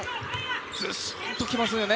ずしーんときますよね